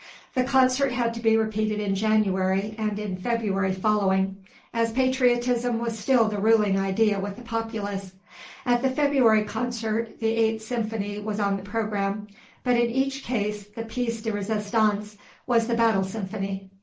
The concert had to be repeated in January and in February following, as patriotism was still the ruling idea with the populace. At the February concert the Eighth Symphony was on the programme, but in each case the pièce de résistance was the Battle Symphony.